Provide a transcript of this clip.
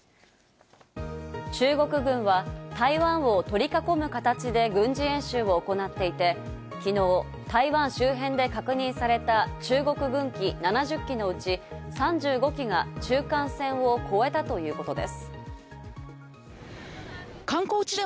中国軍は台湾を取り囲む形で軍事演習を行っていて、昨日、台湾周辺で確認された中国軍機７０機のうち、３５機が中間線を越えたということです。